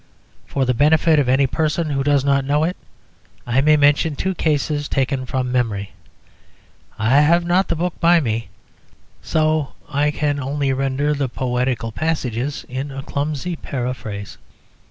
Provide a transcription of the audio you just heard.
For the benefit of any person who does not know it, I may mention two cases taken from memory. I have not the book by me, so I can only render the poetical passages in a clumsy paraphrase.